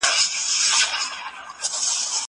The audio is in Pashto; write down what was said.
دا مڼې له هغه تازه دي!!